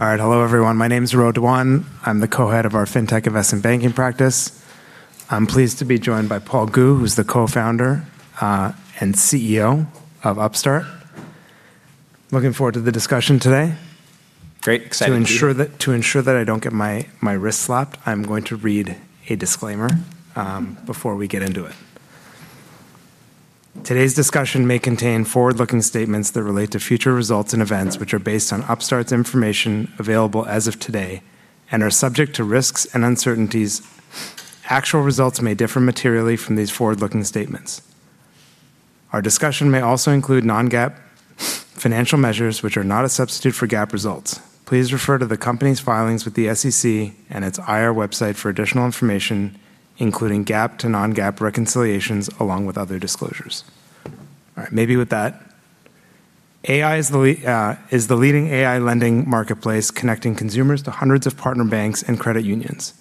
All right. Hello everyone. My name is Ro Dewan. I'm the Co-Head of our Fintech Investment Banking practice. I'm pleased to be joined by Paul Gu, who's the Co-Founder and CEO of Upstart. Looking forward to the discussion today. Great. Excited to be here. To ensure that I don't get my wrist slapped, I'm going to read a disclaimer before we get into it. Today's discussion may contain forward-looking statements that relate to future results and events, which are based on Upstart's information available as of today, and are subject to risks and uncertainties. Actual results may differ materially from these forward-looking statements. Our discussion may also include non-GAAP financial measures, which are not a substitute for GAAP results. Please refer to the company's filings with the SEC and its IR website for additional information, including GAAP to non-GAAP reconciliations along with other disclosures. All right. Maybe with that, AI is the leading AI lending marketplace connecting consumers to hundreds of partner banks and credit unions.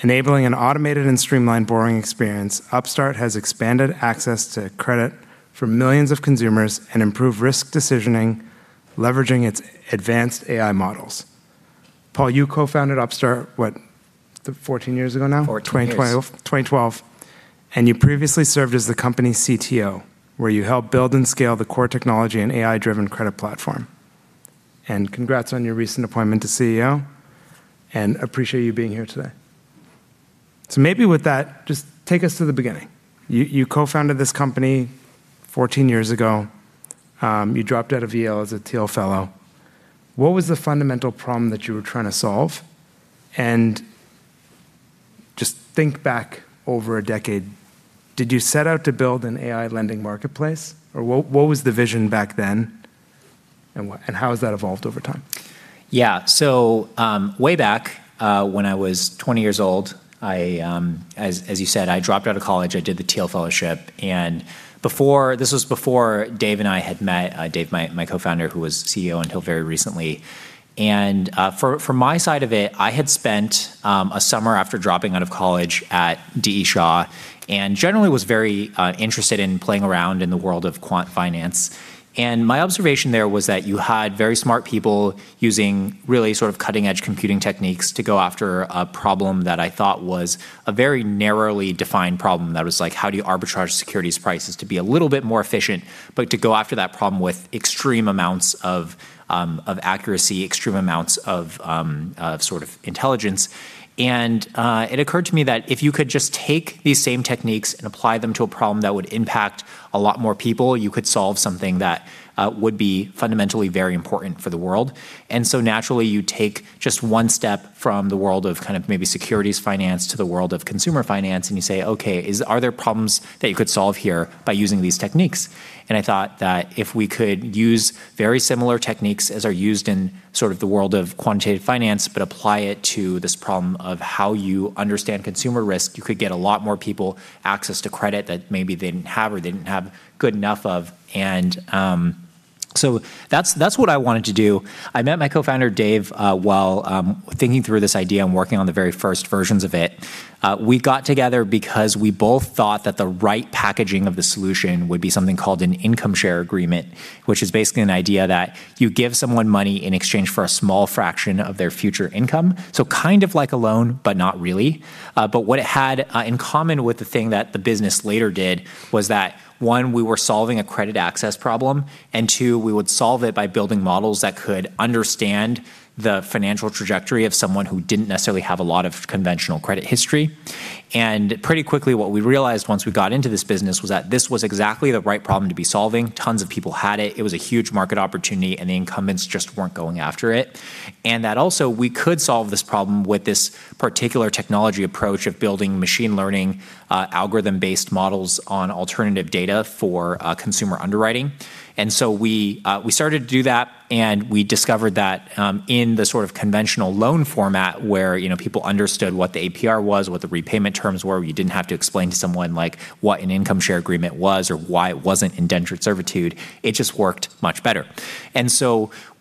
Enabling an automated and streamlined borrowing experience, Upstart has expanded access to credit for millions of consumers and improved risk decisioning, leveraging its advanced AI models. Paul, you co-founded Upstart, what, 14 years ago now? 14 years. 2012. 2012. You previously served as the company's CTO, where you helped build and scale the core technology and AI-driven credit platform. Congrats on your recent appointment to CEO, and appreciate you being here today. Maybe with that, just take us to the beginning. You co-founded this company 14 years ago. You dropped out of Yale as a Thiel Fellow. What was the fundamental problem that you were trying to solve? Just think back over a decade. Did you set out to build an AI lending marketplace? What was the vision back then, and what, and how has that evolved over time? Yeah. Way back, when I was 20 years old, I, as you said, I dropped out of college. I did the Thiel Fellowship. Before This was before Dave and I had met, Dave, my Co-Founder, who was CEO until very recently. For my side of it, I had spent a summer after dropping out of college at D. E. Shaw, and generally was very interested in playing around in the world of quant finance. My observation there was that you had very smart people using really sort of cutting-edge computing techniques to go after a problem that I thought was a very narrowly defined problem that was like, how do you arbitrage securities prices to be a little bit more efficient, but to go after that problem with extreme amounts of accuracy, extreme amounts of sort of intelligence. It occurred to me that if you could just take these same techniques and apply them to a problem that would impact a lot more people, you could solve something that would be fundamentally very important for the world. Naturally, you take just one step from the world of kind of maybe securities finance to the world of consumer finance, and you say, "Okay, are there problems that you could solve here by using these techniques?" I thought that if we could use very similar techniques as are used in sort of the world of quantitative finance, but apply it to this problem of how you understand consumer risk, you could get a lot more people access to credit that maybe they didn't have or they didn't have good enough of. That's what I wanted to do. I met my Co-Founder, Dave, while thinking through this idea and working on the very first versions of it. We got together because we both thought that the right packaging of the solution would be something called an income share agreement, which is basically an idea that you give someone money in exchange for a small fraction of their future income. Kind of like a loan, but not really. What it had in common with the thing that the business later did was that, one, we were solving a credit access problem, and two, we would solve it by building models that could understand the financial trajectory of someone who didn't necessarily have a lot of conventional credit history. Pretty quickly, what we realized once we got into this business was that this was exactly the right problem to be solving. Tons of people had it. It was a huge market opportunity, and the incumbents just weren't going after it. That also, we could solve this problem with this particular technology approach of building machine learning algorithm-based models on alternative data for consumer underwriting. We started to do that, and we discovered that, in the sort of conventional loan format where, you know, people understood what the APR was, what the repayment terms were, where you didn't have to explain to someone, like, what an income share agreement was or why it wasn't indentured servitude, it just worked much better.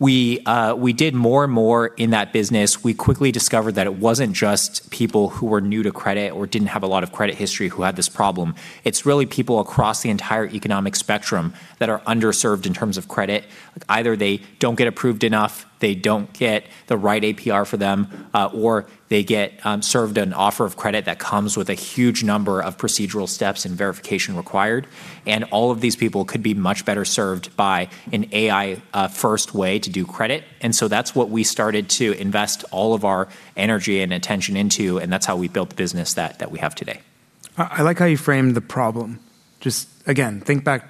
We did more and more in that business. We quickly discovered that it wasn't just people who were new to credit or didn't have a lot of credit history who had this problem. It's really people across the entire economic spectrum that are underserved in terms of credit. Either they don't get approved enough, they don't get the right APR for them, or they get served an offer of credit that comes with a huge number of procedural steps and verification required. All of these people could be much better served by an AI first way to do credit. That's what we started to invest all of our energy and attention into, and that's how we built the business that we have today. I like how you framed the problem. Again, think back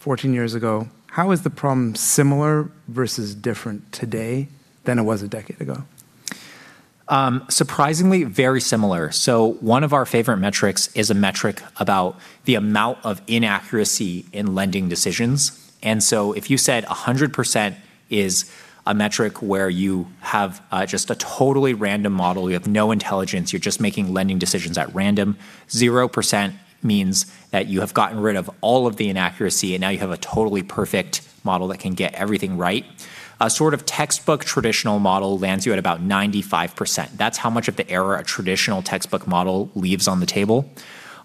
14 years ago. How is the problem similar versus different today than it was a decade ago? Surprisingly very similar. One of our favorite metrics is a metric about the amount of inaccuracy in lending decisions. If you said 100% is a metric where you have, just a totally random model, you have no intelligence, you're just making lending decisions at random, 0% means that you have gotten rid of all of the inaccuracy and now you have a totally perfect model that can get everything right. A sort of textbook traditional model lands you at about 95%. That's how much of the error a traditional textbook model leaves on the table.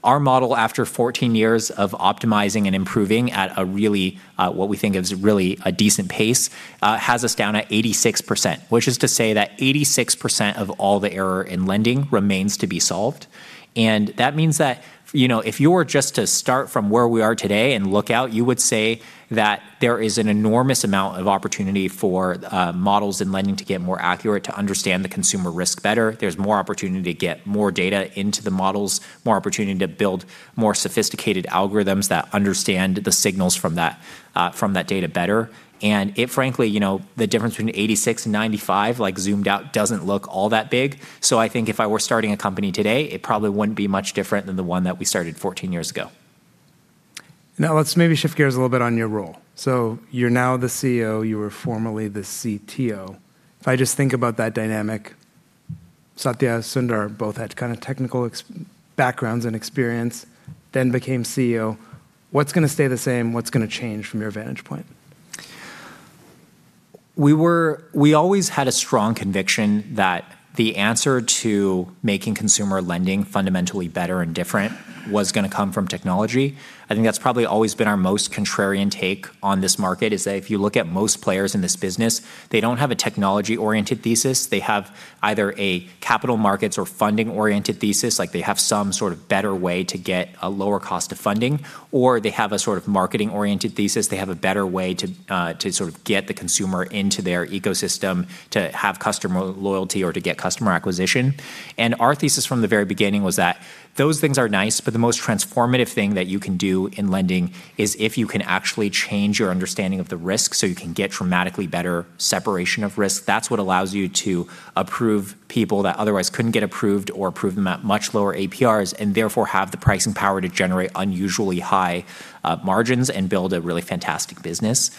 Our model, after 14 years of optimizing and improving at a really, what we think is really a decent pace, has us down at 86%, which is to say that 86% of all the error in lending remains to be solved. That means that, you know, if you were just to start from where we are today and look out, you would say that there is an enormous amount of opportunity for models in lending to get more accurate, to understand the consumer risk better. There's more opportunity to get more data into the models, more opportunity to build more sophisticated algorithms that understand the signals from that from that data better. It frankly, you know, the difference between 86 and 95, like zoomed out, doesn't look all that big. I think if I were starting a company today, it probably wouldn't be much different than the one that we started 14 years ago. Let's maybe shift gears a little bit on your role. You're now the CEO, you were formerly the CTO. If I just think about that dynamic, Satya, Sundar both had kind of technical backgrounds and experience, became CEO. What's gonna stay the same? What's gonna change from your vantage point? We always had a strong conviction that the answer to making consumer lending fundamentally better and different was gonna come from technology. I think that's probably always been our most contrarian take on this market, is that if you look at most players in this business, they don't have a technology-oriented thesis. They have either a capital markets or funding-oriented thesis, like they have some sort of better way to get a lower cost of funding, or they have a sort of marketing-oriented thesis. They have a better way to to sort of get the consumer into their ecosystem, to have customer loyalty or to get customer acquisition. Our thesis from the very beginning was that those things are nice, but the most transformative thing that you can do in lending is if you can actually change your understanding of the risk, so you can get dramatically better separation of risk. That's what allows you to approve people that otherwise couldn't get approved or approve them at much lower APRs, and therefore have the pricing power to generate unusually high margins and build a really fantastic business.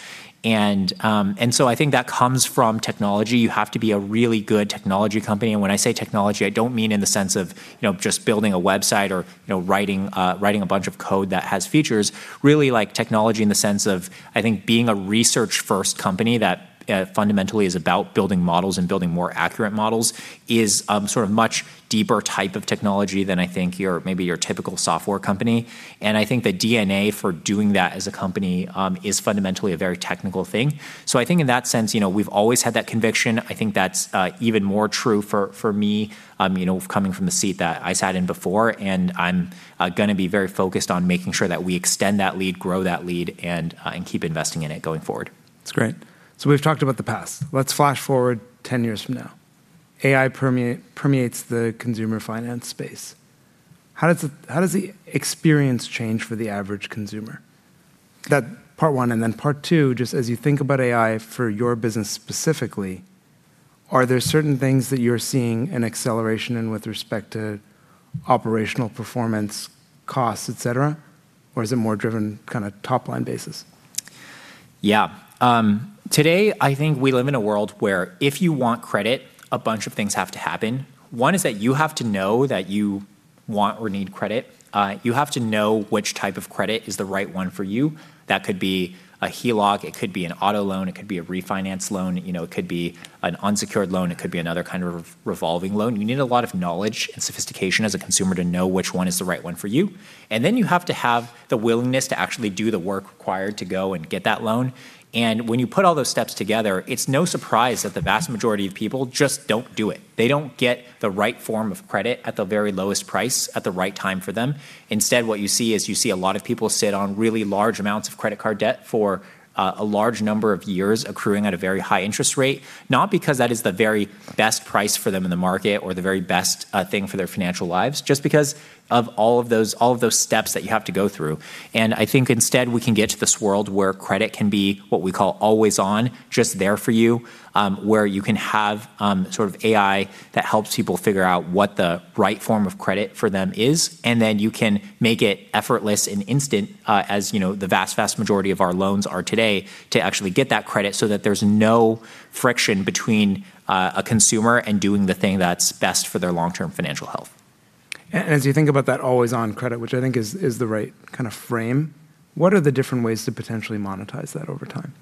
I think that comes from technology. You have to be a really good technology company. When I say technology, I don't mean in the sense of, you know, just building a website or, you know, writing a bunch of code that has features. Really like technology in the sense of, I think being a research-first company that fundamentally is about building models and building more accurate models is sort of much deeper type of technology than I think your, maybe your typical software company. I think the DNA for doing that as a company is fundamentally a very technical thing. I think in that sense, you know, we've always had that conviction. I think that's even more true for me, you know, coming from the seat that I sat in before, and I'm gonna be very focused on making sure that we extend that lead, grow that lead, and keep investing in it going forward. That's great. We've talked about the past. Let's flash forward 10 years from now. AI permeates the consumer finance space. How does the experience change for the average consumer? That part one. Then part two, just as you think about AI for your business specifically, are there certain things that you're seeing an acceleration in with respect to operational performance costs, et cetera? Or is it more driven kinda top-line basis? Yeah. Today, I think we live in a world where if you want credit, a bunch of things have to happen. One is that you have to know that you want or need credit. You have to know which type of credit is the right one for you. That could be a HELOC, it could be an auto loan, it could be a refinance loan, you know, it could be an unsecured loan, it could be another kind of revolving loan. You need a lot of knowledge and sophistication as a consumer to know which one is the right one for you. Then you have to have the willingness to actually do the work required to go and get that loan. When you put all those steps together, it's no surprise that the vast majority of people just don't do it. They don't get the right form of credit at the very lowest price at the right time for them. Instead, what you see is you see a lot of people sit on really large amounts of credit card debt for a large number of years accruing at a very high interest rate, not because that is the very best price for them in the market or the very best thing for their financial lives, just because of all of those steps that you have to go through. I think instead, we can get to this world where credit can be what we call always on, just there for you, where you can have, sort of AI that helps people figure out what the right form of credit for them is, and then you can make it effortless and instant, as you know, the vast majority of our loans are today to actually get that credit so that there's no friction between, a consumer and doing the thing that's best for their long-term financial health. As you think about that always-on credit, which I think is the right kinda frame, what are the different ways to potentially monetize that over time?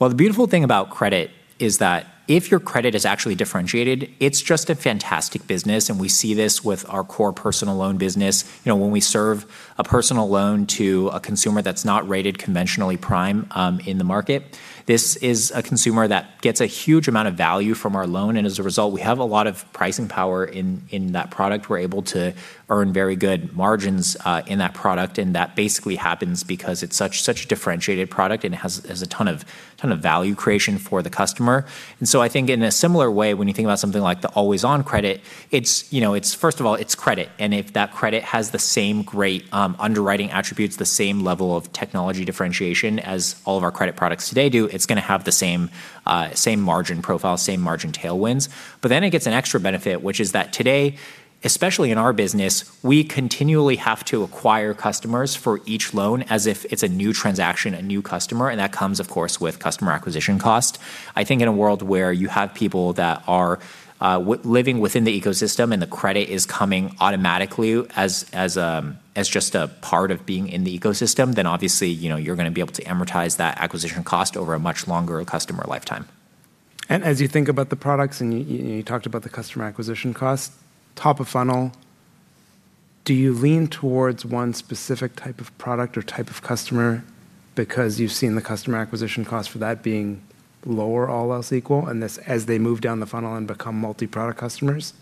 The beautiful thing about credit is that if your credit is actually differentiated, it's just a fantastic business, and we see this with our core personal loan business. You know, when we serve a personal loan to a consumer that's not rated conventionally prime in the market, this is a consumer that gets a huge amount of value from our loan, and as a result, we have a lot of pricing power in that product. We're able to earn very good margins in that product, and that basically happens because it's such a differentiated product and has a ton of value creation for the customer. I think in a similar way, when you think about something like the always-on credit, it's, you know, it's first of all, it's credit, and if that credit has the same great underwriting attributes, the same level of technology differentiation as all of our credit products today do, it's gonna have the same margin profile, same margin tailwinds. It gets an extra benefit, which is that today, especially in our business, we continually have to acquire customers for each loan as if it's a new transaction, a new customer, and that comes, of course, with customer acquisition cost. I think in a world where you have people that are living within the ecosystem and the credit is coming automatically as just a part of being in the ecosystem, then obviously, you know, you're gonna be able to amortize that acquisition cost over a much longer customer lifetime. As you think about the products and you talked about the customer acquisition cost, top of funnel, do you lean towards one specific type of product or type of customer because you've seen the customer acquisition cost for that being lower all else equal, and as they move down the funnel and become multi-product customers,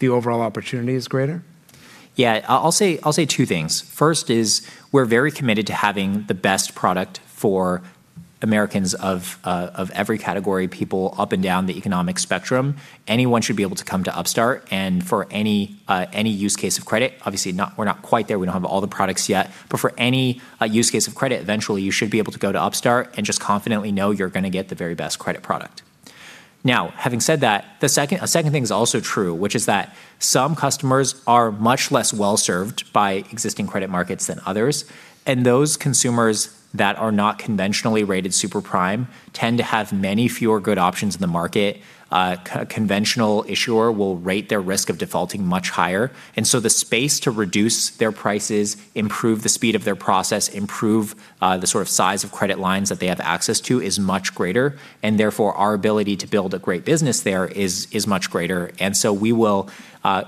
the overall opportunity is greater? I'll say two things. First is we're very committed to having the best product for Americans of every category, people up and down the economic spectrum. Anyone should be able to come to Upstart and for any use case of credit. Obviously not, we're not quite there. We don't have all the products yet. For any use case of credit, eventually you should be able to go to Upstart and just confidently know you're gonna get the very best credit product. Having said that, a second thing is also true, which is that some customers are much less well-served by existing credit markets than others, and those consumers that are not conventionally rated super prime tend to have many fewer good options in the market. Conventional issuer will rate their risk of defaulting much higher. The space to reduce their prices, improve the speed of their process, improve the sort of size of credit lines that they have access to is much greater, and therefore, our ability to build a great business there is much greater. We will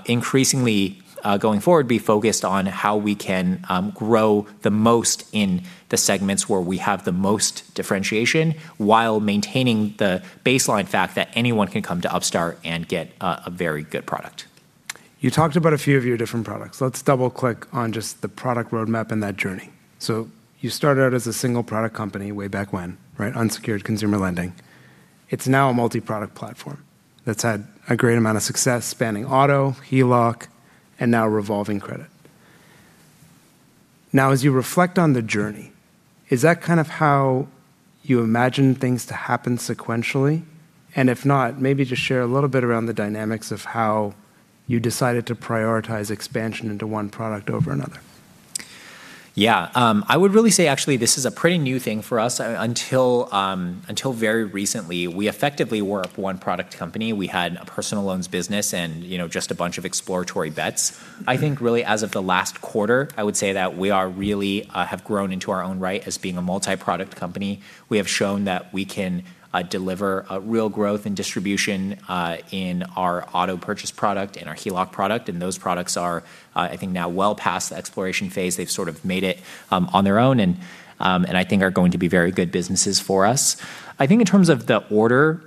increasingly going forward be focused on how we can grow the most in the segments where we have the most differentiation while maintaining the baseline fact that anyone can come to Upstart and get a very good product. You talked about a few of your different products. Let's double-click on just the product roadmap and that journey. You started out as a single product company way back when, right? Unsecured consumer lending. It's now a multi-product platform that's had a great amount of success spanning auto, HELOC, and now revolving credit. As you reflect on the journey, is that kind of how you imagine things to happen sequentially? If not, maybe just share a little bit around the dynamics of how you decided to prioritize expansion into one product over another. Yeah. I would really say, actually, this is a pretty new thing for us. Until very recently, we effectively were a one product company. We had a personal loans business and, you know, just a bunch of exploratory bets. I think really as of the last quarter, I would say that we are really have grown into our own right as being a multi-product company. We have shown that we can deliver real growth and distribution in our auto purchase product and our HELOC product, those products are, I think now well past the exploration phase. They've sort of made it on their own, I think are going to be very good businesses for us. I think in terms of the order,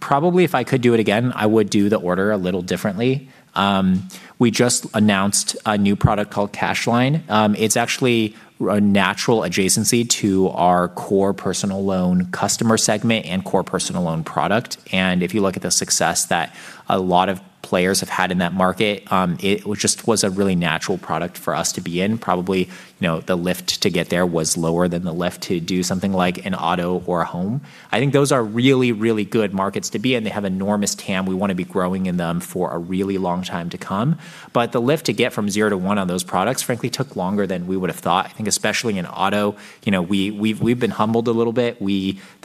probably if I could do it again, I would do the order a little differently. We just announced a new product called Cash Line. It's actually a natural adjacency to our core personal loan customer segment and core personal loan product. If you look at the success that a lot of players have had in that market, it was just a really natural product for us to be in. Probably, you know, the lift to get there was lower than the lift to do something like an auto or a home. I think those are really, really good markets to be in. They have enormous TAM. We wanna be growing in them for a really long time to come. The lift to get from zero to one on those products frankly took longer than we would've thought. I think especially in auto, you know, we've been humbled a little bit.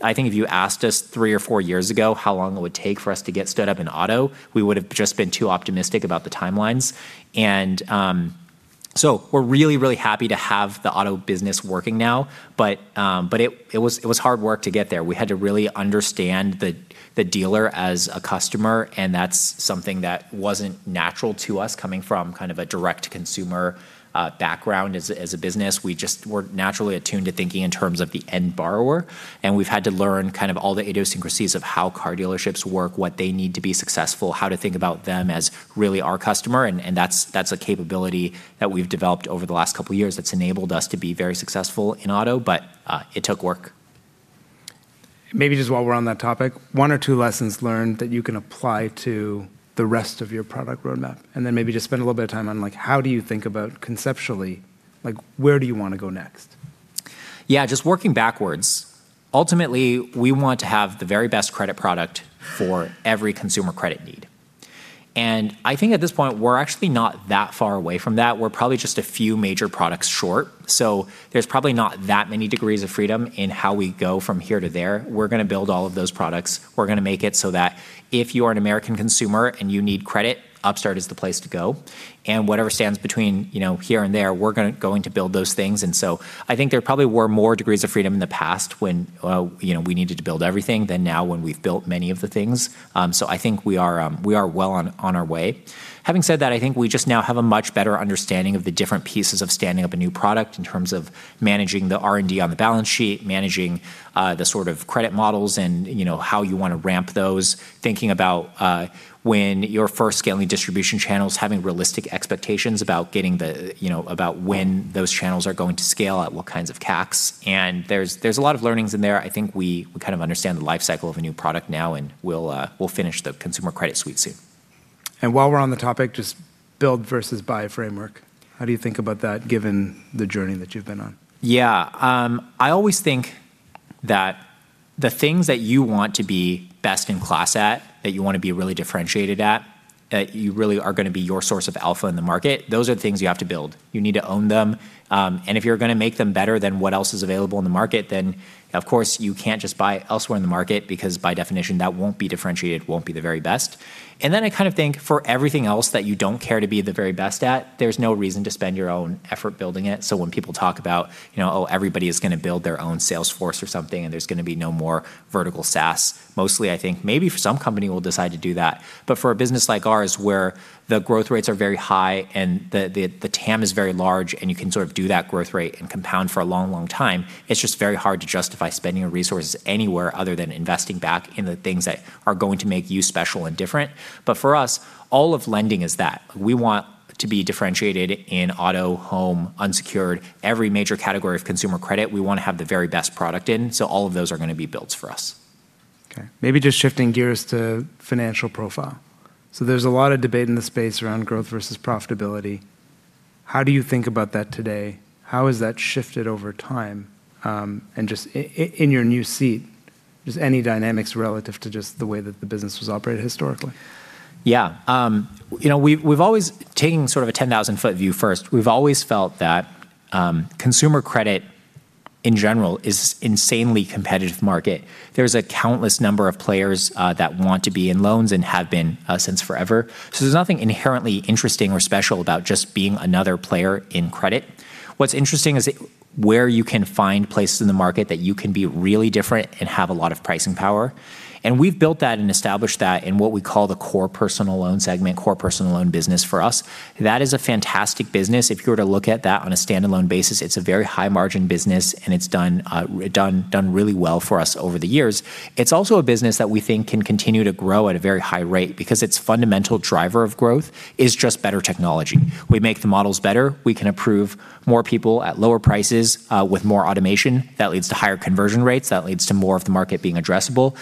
I think if you asked us three or four years ago how long it would take for us to get stood up in auto, we would've just been too optimistic about the timelines. We're really, really happy to have the auto business working now, but it was hard work to get there. We had to really understand the dealer as a customer, and that's something that wasn't natural to us coming from kind of a direct consumer background as a business. We just were naturally attuned to thinking in terms of the end borrower, and we've had to learn kind of all the idiosyncrasies of how car dealerships work, what they need to be successful, how to think about them as really our customer and that's a capability that we've developed over the last couple years that's enabled us to be very successful in auto, but it took work. Maybe just while we're on that topic, one or two lessons learned that you can apply to the rest of your product roadmap, and then maybe just spend a little bit of time on, like, how do you think about conceptually, like, where do you wanna go next? Yeah. Just working backwards, ultimately, we want to have the very best credit product for every consumer credit need. I think at this point, we're actually not that far away from that. We're probably just a few major products short. There's probably not that many degrees of freedom in how we go from here to there. We're gonna build all of those products. We're gonna make it so that if you are an American consumer and you need credit, Upstart is the place to go, and whatever stands between, you know, here and there, we're gonna build those things. I think there probably were more degrees of freedom in the past when, you know, we needed to build everything than now when we've built many of the things. I think we are well on our way. Having said that, I think we just now have a much better understanding of the different pieces of standing up a new product in terms of managing the R&D on the balance sheet, managing, the sort of credit models and, you know, how you wanna ramp those. Thinking about, when you're first scaling distribution channels, having realistic expectations about getting the, you know, about when those channels are going to scale, at what kinds of caps. There's a lot of learnings in there. I think we kind of understand the life cycle of a new product now, and we'll finish the consumer credit suite soon. While we're on the topic, just build versus buy framework. How do you think about that given the journey that you've been on? Yeah. I always think that the things that you want to be best in class at, that you want to be really differentiated at, you really are gonna be your source of alpha in the market. Those are things you have to build. You need to own them, and if you're gonna make them better than what else is available in the market, then of course, you can't just buy elsewhere in the market because by definition that won't be differentiated, won't be the very best. I kind of think for everything else that you don't care to be the very best at, there's no reason to spend your own effort building it. When people talk about, you know, "Oh, everybody is gonna build their own Salesforce or something, and there's gonna be no more vertical SaaS," mostly I think maybe for some company will decide to do that. For a business like ours where the growth rates are very high and the TAM is very large and you can sort of do that growth rate and compound for a long, long time, it's just very hard to justify spending your resources anywhere other than investing back in the things that are going to make you special and different. For us, all of lending is that. We want to be differentiated in auto, home, unsecured. Every major category of consumer credit, we wanna have the very best product in, so all of those are gonna be builds for us. Okay. Maybe just shifting gears to financial profile. There's a lot of debate in the space around growth versus profitability. How do you think about that today? How has that shifted over time? Just in your new seat, just any dynamics relative to just the way that the business was operated historically? Yeah. You know, we've always, taking sort of a 10,000 ft view first, we've always felt that consumer credit in general is insanely competitive market. There's a countless number of players that want to be in loans and have been since forever. There's nothing inherently interesting or special about just being another player in credit. What's interesting is where you can find places in the market that you can be really different and have a lot of pricing power, we've built that and established that in what we call the core personal loan segment, core personal loan business for us. That is a fantastic business. If you were to look at that on a standalone basis, it's a very high margin business it's done really well for us over the years. It's also a business that we think can continue to grow at a very high rate because its fundamental driver of growth is just better technology. We make the models better, we can approve more people at lower prices, with more automation. That leads to higher conversion rates. That leads to more of the market being addressable.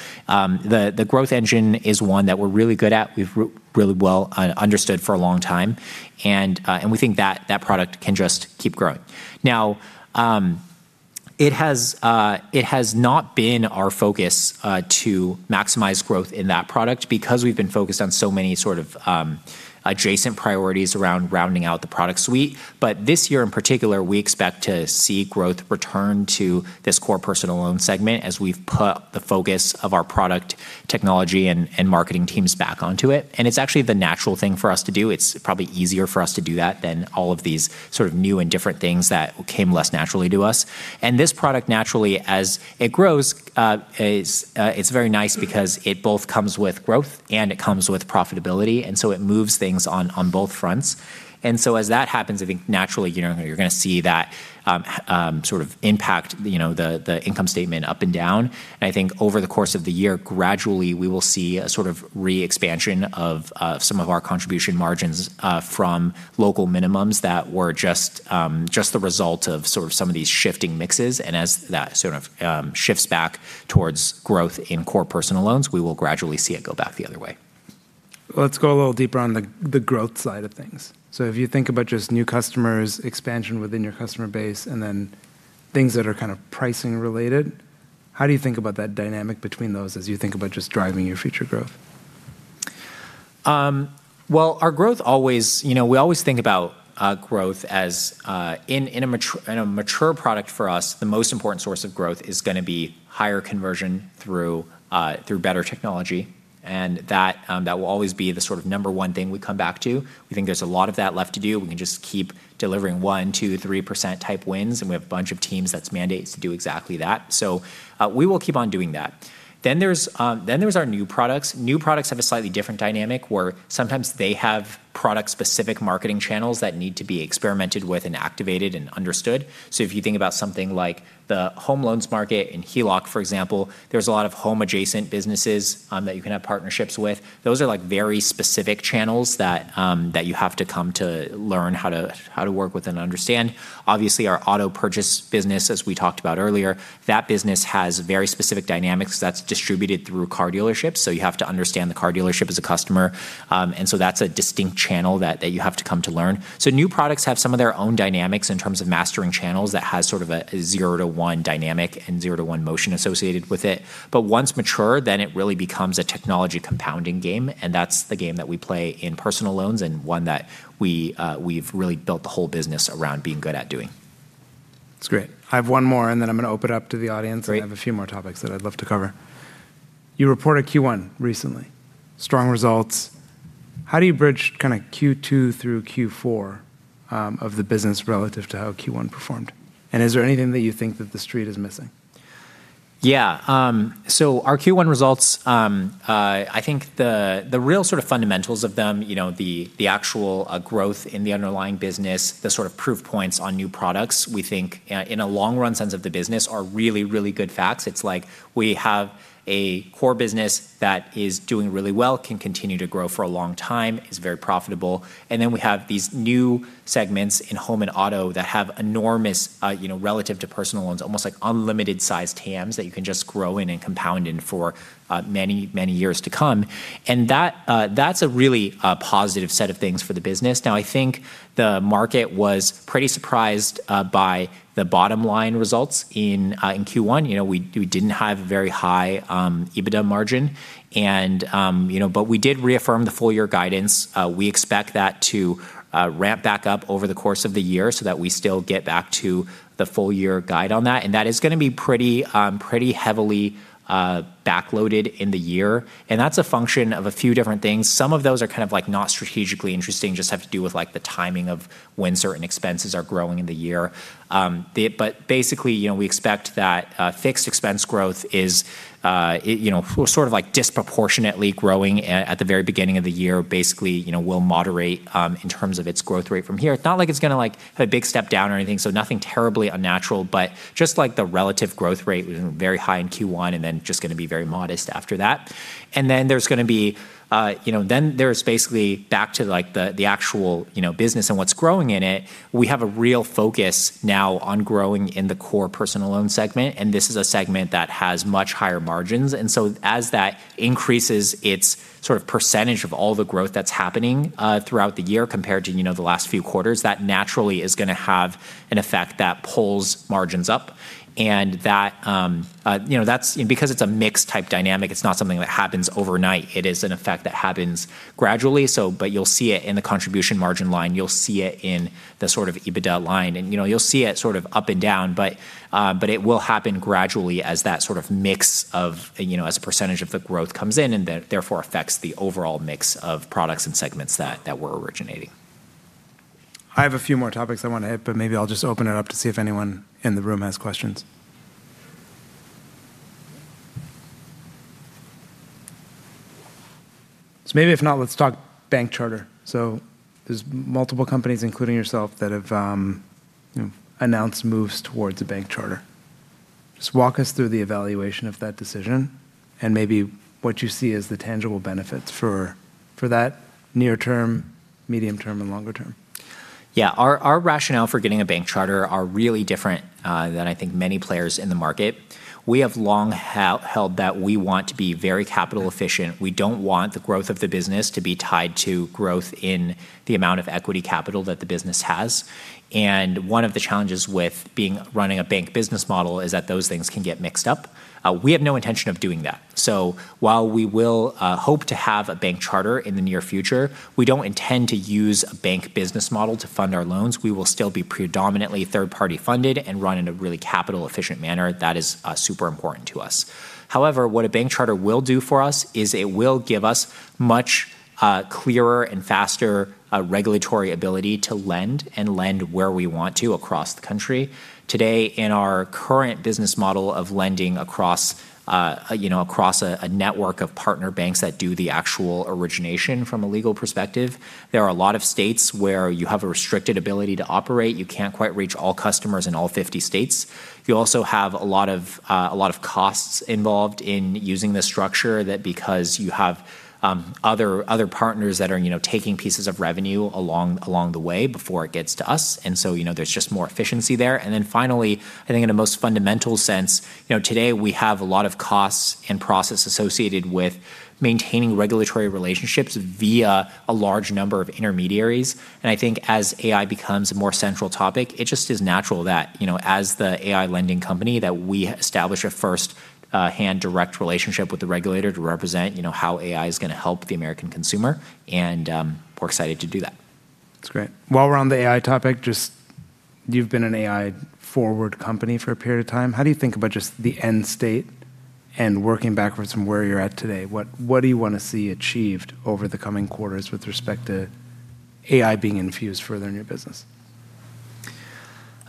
The growth engine is one that we're really well understood for a long time and we think that that product can just keep growing. It has not been our focus to maximize growth in that product because we've been focused on so many sort of adjacent priorities around rounding out the product suite. This year in particular, we expect to see growth return to this core personal loan segment as we've put the focus of our product technology and marketing teams back onto it, and it's actually the natural thing for us to do. It's probably easier for us to do that than all of these sort of new and different things that came less naturally to us. This product naturally, as it grows, it's very nice because it both comes with growth and it comes with profitability, it moves things on both fronts. As that happens, I think naturally, you know, you're gonna see that sort of impact, you know, the income statement up and down. I think over the course of the year, gradually we will see a sort of re-expansion of some of our contribution margins from local minimums that were just the result of sort of some of these shifting mixes. As that sort of shifts back towards growth in core personal loans, we will gradually see it go back the other way. Let's go a little deeper on the growth side of things. If you think about just new customers, expansion within your customer base, and then things that are kind of pricing related, how do you think about that dynamic between those as you think about just driving your future growth? Well, our growth always, you know, we always think about growth as in a mature product for us, the most important source of growth is gonna be higher conversion through better technology, and that will always be the sort of number one thing we come back to. We think there's a lot of that left to do. We can just keep delivering 1%, 2%, 3% type wins, and we have a bunch of teams that's mandates to do exactly that. We will keep on doing that. There's our new products. New products have a slightly different dynamic where sometimes they have product-specific marketing channels that need to be experimented with and activated and understood. If you think about something like the home loans market and HELOC, for example, there's a lot of home adjacent businesses that you can have partnerships with. Those are like very specific channels that you have to come to learn how to work with and understand. Obviously, our auto purchase business, as we talked about earlier, that business has very specific dynamics that's distributed through car dealerships, you have to understand the car dealership as a customer. That's a distinct channel that you have to come to learn. New products have some of their own dynamics in terms of mastering channels that has sort of a zero to one dynamic and zero to one motion associated with it. Once mature, then it really becomes a technology compounding game, and that's the game that we play in personal loans and one that we've really built the whole business around being good at doing. That's great. I have one more and then I'm gonna open up to the audience. Great. I have a few more topics that I'd love to cover. You reported Q1 recently. Strong results. How do you bridge kinda Q2 through Q4 of the business relative to how Q1 performed? Is there anything that you think that the street is missing? Yeah. Our Q1 results, I think the real sort of fundamentals of them, you know, the actual growth in the underlying business, the sort of proof points on new products, we think, in a long run sense of the business are really, really good facts. It's like we have a core business that is doing really well, can continue to grow for a long time, is very profitable. We have these new segments in home and auto that have enormous, you know, relative to personal loans, almost like unlimited sized TAMs that you can just grow in and compound in for many, many years to come. That's a really positive set of things for the business. Now, I think the market was pretty surprised by the bottom line results in Q1. You know, we didn't have a very high EBITDA margin and you know, we did reaffirm the full year guidance. We expect that to ramp back up over the course of the year so that we still get back to the full year guide on that. That is gonna be pretty heavily backloaded in the year. That's a function of a few different things. Some of those are kind of like not strategically interesting, just have to do with like the timing of when certain expenses are growing in the year. Basically, you know, we expect that fixed expense growth is you know, sort of like disproportionately growing at the very beginning of the year. Basically, you know, it will moderate in terms of its growth rate from here. It's not like it's gonna have a big step down or anything, nothing terribly unnatural. Just like the relative growth rate was very high in Q1 then just gonna be very modest after that. Then there's gonna be, you know, there's basically back to like the actual, you know, business and what's growing in it. We have a real focus now on growing in the core personal loan segment, this is a segment that has much higher margins. So as that increases its sort of percentage of all the growth that's happening throughout the year compared to, you know, the last few quarters, that naturally is gonna have an effect that pulls margins up. That, you know, that's because it's a mixed type dynamic, it's not something that happens overnight. It is an effect that happens gradually. You'll see it in the contribution margin line, you'll see it in the sort of EBITDA line and, you know, you'll see it sort of up and down. It will happen gradually as that sort of mix of, you know, as a percentage of the growth comes in and therefore affects the overall mix of products and segments that we're originating. I have a few more topics I wanna hit, but maybe I'll just open it up to see if anyone in the room has questions. Maybe if not, let's talk bank charter. There's multiple companies, including yourself, that have, you know, announced moves towards a bank charter. Just walk us through the evaluation of that decision and maybe what you see as the tangible benefits for that near term, medium term, and longer term. Yeah. Our rationale for getting a bank charter are really different than I think many players in the market. We have long held that we want to be very capital efficient. We don't want the growth of the business to be tied to growth in the amount of equity capital that the business has. One of the challenges with being, running a bank business model is that those things can get mixed up. We have no intention of doing that. While we will hope to have a bank charter in the near future, we don't intend to use a bank business model to fund our loans. We will still be predominantly third-party funded and run in a really capital efficient manner. That is super important to us. What a bank charter will do for us is it will give us much clearer and faster regulatory ability to lend and lend where we want to across the country. Today, in our current business model of lending across, you know, across a network of partner banks that do the actual origination from a legal perspective, there are a lot of states where you have a restricted ability to operate. You can't quite reach all customers in all 50 states. You also have a lot of costs involved in using this structure that because you have other partners that are, you know, taking pieces of revenue along the way before it gets to us. You know, there's just more efficiency there. Finally, I think in a most fundamental sense, you know, today we have a lot of costs and process associated with maintaining regulatory relationships via a large number of intermediaries. I think as AI becomes a more central topic, it just is natural that, you know, as the AI lending company, that we establish a firsthand direct relationship with the regulator to represent, you know, how AI is gonna help the American consumer. We're excited to do that. That's great. While we're on the AI topic, just you've been an AI forward company for a period of time. How do you think about just the end state and working backwards from where you're at today? What do you wanna see achieved over the coming quarters with respect to AI being infused further in your business?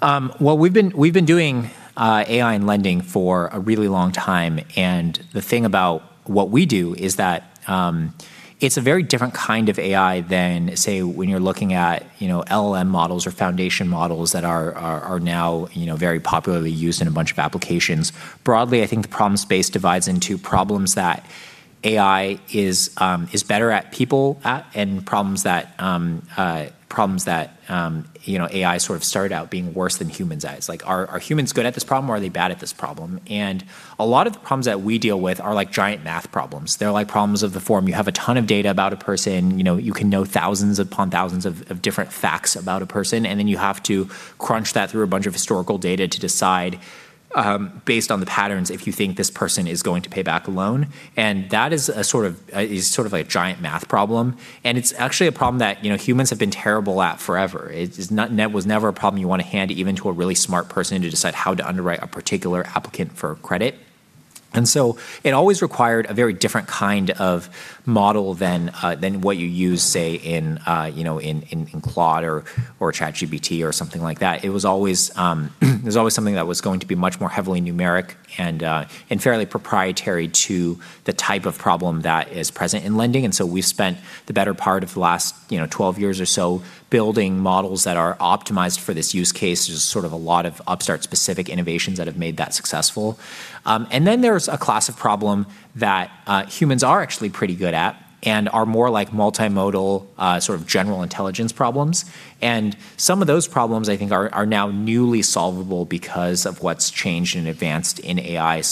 Well, we've been doing AI and lending for a really long time. The thing about what we do is that it's a very different kind of AI than, say, when you're looking at, you know, LLM models or foundation models that are now, you know, very popularly used in a bunch of applications. Broadly, I think the problem space divides into problems that AI is better at people at and problems that, you know, AI sort of started out being worse than humans at. It's like are humans good at this problem or are they bad at this problem? A lot of the problems that we deal with are like giant math problems. They're like problems of the form. You have a ton of data about a person. You know, you can know thousands upon thousands of different facts about a person, and then you have to crunch that through a bunch of historical data to decide, based on the patterns if you think this person is going to pay back a loan. That is a sort of a giant math problem. It's actually a problem that, you know, humans have been terrible at forever. It is not, was never a problem you want to hand even to a really smart person to decide how to underwrite a particular applicant for credit. It always required a very different kind of model than what you use, say, in, you know, in Claude or ChatGPT or something like that. It was always, it was always something that was going to be much more heavily numeric and fairly proprietary to the type of problem that is present in lending. We've spent the better part of the last, you know, 12 years or so building models that are optimized for this use case. There's sort of a lot of Upstart-specific innovations that have made that successful. There's a class of problem that humans are actually pretty good at and are more like multimodal, sort of general intelligence problems. Some of those problems I think are now newly solvable because of what's changed and advanced in AI.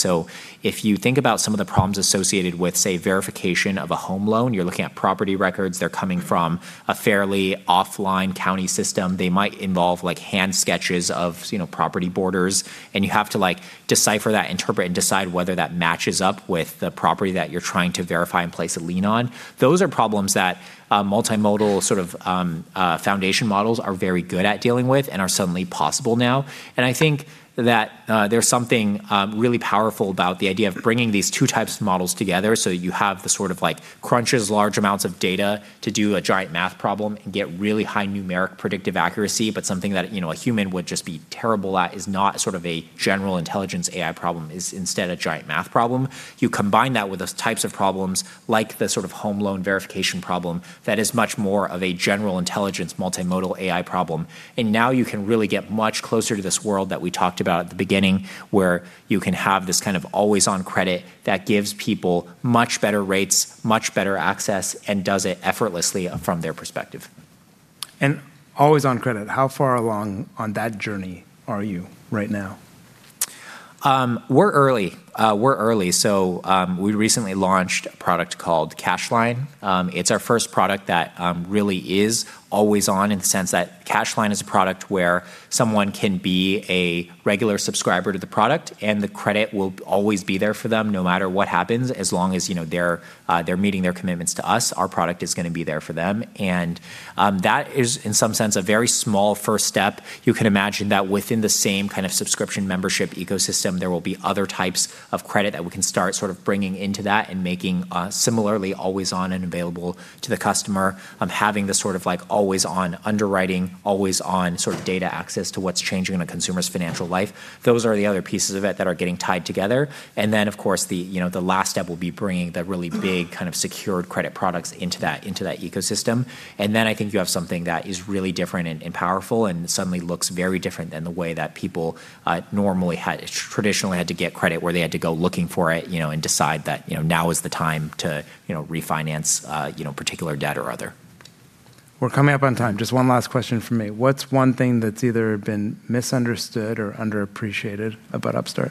If you think about some of the problems associated with, say, verification of a home loan, you're looking at property records, they're coming from a fairly offline county system. They might involve like hand sketches of, you know, property borders, and you have to like decipher that, interpret, and decide whether that matches up with the property that you're trying to verify and place a lien on. Those are problems that multimodal sort of foundation models are very good at dealing with and are suddenly possible now. I think that there's something really powerful about the idea of bringing these two types of models together so you have the sort of like crunches large amounts of data to do a giant math problem and get really high numeric predictive accuracy, but something that, you know, a human would just be terrible at, is not sort of a general intelligence AI problem, is instead a giant math problem. You combine that with those types of problems like the sort of home loan verification problem that is much more of a general intelligence multimodal AI problem, and now you can really get much closer to this world that we talked about at the beginning, where you can have this kind of always-on credit that gives people much better rates, much better access, and does it effortlessly from their perspective. Always-on credit, how far along on that journey are you right now? We're early. We're early. We recently launched a product called Cash Line. It's our first product that really is always on in the sense that Cash Line is a product where someone can be a regular subscriber to the product, and the credit will always be there for them no matter what happens. As long as, you know, they're meeting their commitments to us, our product is gonna be there for them. That is in some sense a very small first step. You can imagine that within the same kind of subscription membership ecosystem, there will be other types of credit that we can start sort of bringing into that and making, similarly always on and available to the customer, having the sort of like always on underwriting, always on sort of data access to what's changing a consumer's financial life. Those are the other pieces of it that are getting tied together. Of course, the, you know, the last step will be bringing the really big kind of secured credit products into that, into that ecosystem. I think you have something that is really different and powerful and suddenly looks very different than the way that people normally had traditionally had to get credit, where they had to go looking for it, you know, and decide that, you know, now is the time to, you know, refinance particular debt or other. We're coming up on time. Just one last question from me. What's one thing that's either been misunderstood or underappreciated about Upstart?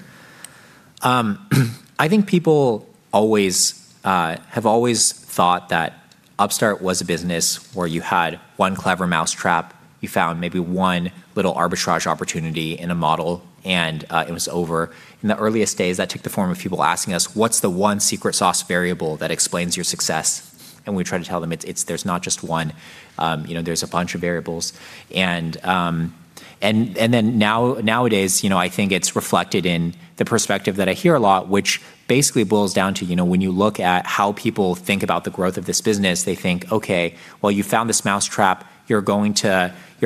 I think people always have always thought that Upstart was a business where you had one clever mousetrap, you found maybe one little arbitrage opportunity in a model, and it was over. In the earliest days, that took the form of people asking us, "What's the one secret sauce variable that explains your success?" We try to tell them there's not just one. You know, there's a bunch of variables. Nowadays, you know, I think it's reflected in the perspective that I hear a lot, which basically boils down to, you know, when you look at how people think about the growth of this business, they think, "Okay, well, you found this mousetrap. You're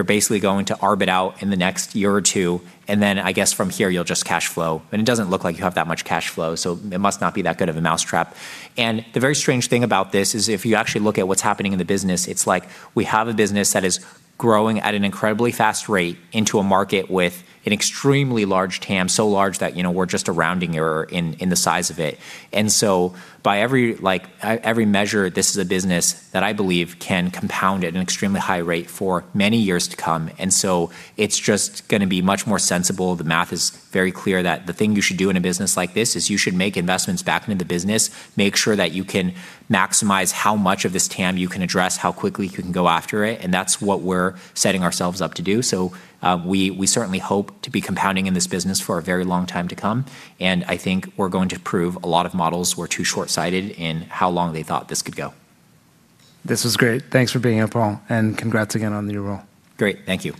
basically going to arbit out in the next year or two, and then I guess from here you'll just cash flow. It doesn't look like you have that much cash flow, so it must not be that good of a mousetrap." The very strange thing about this is if you actually look at what's happening in the business, it's like we have a business that is growing at an incredibly fast rate into a market with an extremely large TAM, so large that, you know, we're just a rounding error in the size of it. By every, like, every measure, this is a business that I believe can compound at an extremely high rate for many years to come. It's just gonna be much more sensible. The math is very clear that the thing you should do in a business like this is you should make investments back into the business, make sure that you can maximize how much of this TAM you can address, how quickly you can go after it, and that's what we're setting ourselves up to do. We certainly hope to be compounding in this business for a very long time to come, and I think we're going to prove a lot of models were too short-sighted in how long they thought this could go. This was great. Thanks for being up, Paul, and congrats again on the new role. Great. Thank you.